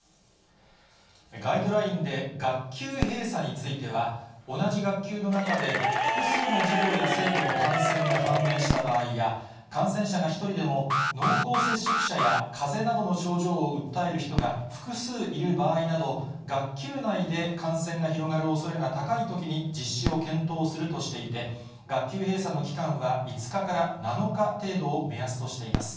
ガイドラインで学級閉鎖については、同じ学級の中で複数の児童や生徒の感染が判明した場合や、感染者が１人でも、濃厚接触者やかぜなどの症状を訴える人が複数いる場合など、学級内で感染が広がるおそれが高いときに実施を検討するとしていて、学級閉鎖の期間は５日から７日程度を目安としています。